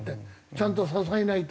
ちゃんと支えないと。